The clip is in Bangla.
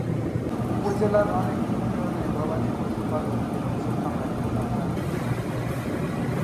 উপজেলার অনেক ইউনিয়নে গবাদি পশু পালন, মৎস খামার ও নার্সারি রয়েছে।